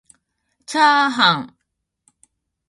ちゃーはん